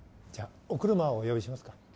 じゃあお車をお呼びしますか？